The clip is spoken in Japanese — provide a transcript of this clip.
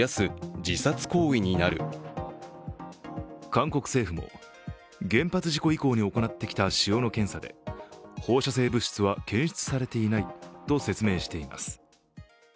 韓国政府も、原発事故以降に行ってきた塩の検査で放射性物質は検出されていないと説明しています。